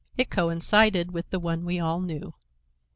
It coincided with the one we all knew.